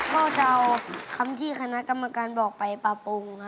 ก็จะเอาคำที่คณะกรรมการบอกไปปรับปรุง